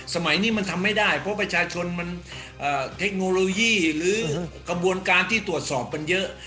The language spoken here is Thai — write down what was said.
สมัยนี้มันทำไม่ได้เพราะประชาชนมันเทคโนโลยีหรือกระบวนการที่ตรวจสอบมันเยอะ